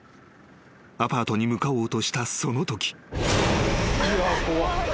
［アパートに向かおうとしたそのとき］